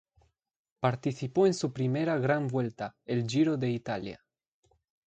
Participó en su primera gran vuelta: el Giro de Italia.